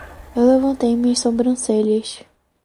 Eu levantei minhas sobrancelhas.